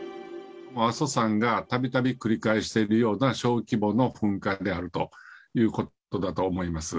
阿蘇山がたびたび繰り返してるような小規模の噴火であるということだと思います。